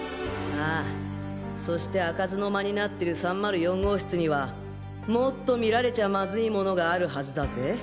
ああそして開かずの間になってる３０４号室にはもっと見られちゃマズいものがあるはずだぜ？